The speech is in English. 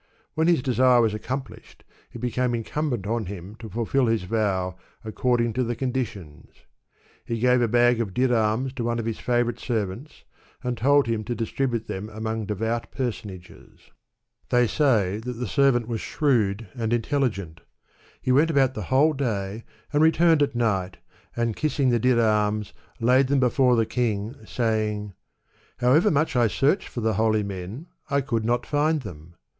When his desire was accomplished, it became incum bent on him to fulfil his vow according to the condi tions. He gave a bag of dirams to one of his &vorite servants, and told him to distribute them among devout personages. They say that the servant was Digitized by Google Gulistan ; or. Rose Garden. 285 shrewd and intelligent. He went about the whole day, and returned at night, and, kissing the dirams, laid them before the lung, saying, '' However much I searched for the holy men, I could not find them."